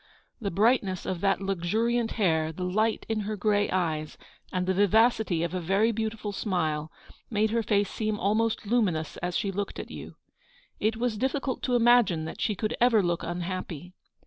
The brightness of that luxuriant hair, the light in her grey eyes, and the vivacity of a very beautiful smile, made her face seem almost lumi nous as she looked at you. It was difficult to imagine that she could ever look unhappy.